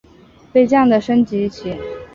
飞将的升级棋。